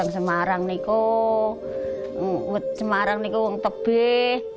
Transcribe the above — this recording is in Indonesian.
semarang saya membuatkan tebal